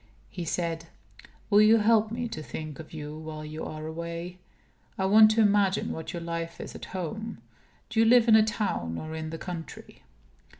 He said: "Will you help me to think of you while you are away? I want to imagine what your life is at home. Do you live in a town or in the country?"